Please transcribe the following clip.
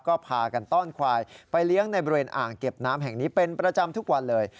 ก็พากันต้อนควายไปเลี้ยงในบริเวณอ่างเก็บน้ำแห่งนี้เป็นประจำทุกวันเลย